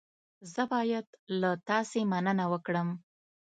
زه باید له تاسې مننه وکړم.